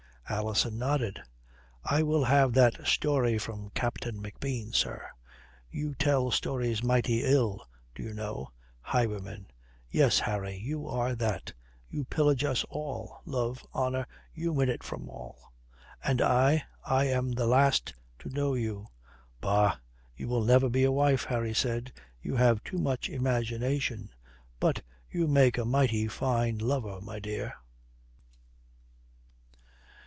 Alison nodded. "I will have that story from Captain McBean, sir. You tell stories mighty ill, do you know highwayman. Yes, Harry, you are that. You pillage us all. Love, honour, you win it from all. And I I am the last to know you." "Bah, you will never be a wife," Harry said. "You have too much imagination. But you make a mighty fine lover, my dear."